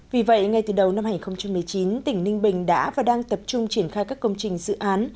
vì vậy ngay từ đầu năm hai nghìn một mươi chín tỉnh ninh bình đã và đang tập trung triển khai các công trình dự án